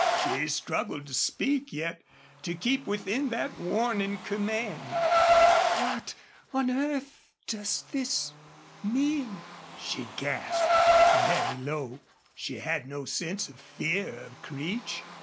She struggled to speak, yet to keep within that warning command. "What on earth does this mean?" she gasped, very low. She had no sense of fear of Creech.